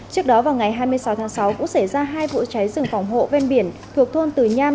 trước đó vào ngày hai mươi sáu tháng sáu cũng xảy ra hai vụ cháy rừng phòng hộ ven biển thuộc thôn từ nham